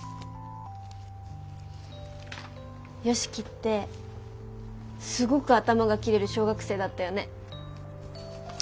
良樹ってすごく頭がキレる小学生だったよね。